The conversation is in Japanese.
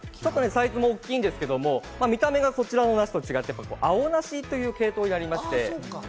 サイズも大きいんですけど、見た目がそちらと違って青梨という系統になります。